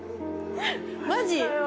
マジ？